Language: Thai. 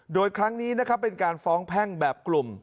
โดยครั้งนี้นะครับเป็นการฟ้องแพ่งแบบกลุ่ม